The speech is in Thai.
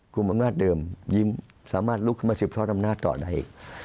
กลุ่มอังงาศเดิมยิ้มสามารถลุกขึ้นมา๑๐ท้อดำนาจต่อใด